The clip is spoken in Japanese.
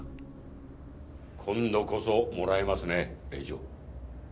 今度こそもらえますね令状。